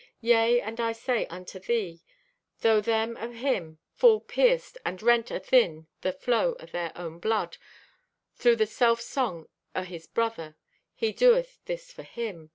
"Yea, and I say unto thee, though them o' Him fall pierced and rent athin the flow o' their own blood thro' the self song o' his brother, he doeth this for Him.